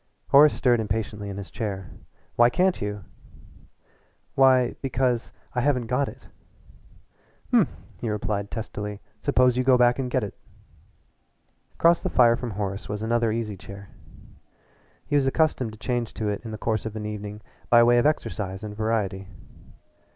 Horace stirred impatiently in his chair. "Why can't you?" "Why, because I haven't got it." "Hm!" he replied testily. "Suppose you go back and get it." Across the fire from Horace was another easychair. He was accustomed to change to it in the course of an evening by way of exercise and variety.